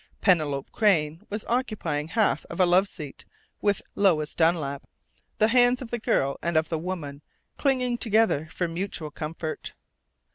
Penelope Crain was occupying half of a "love seat" with Lois Dunlap, the hands of the girl and of the woman clinging together for mutual comfort.